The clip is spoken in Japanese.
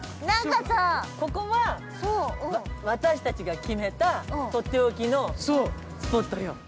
◆ここは、私たちが決めた取って置きのスポットよ。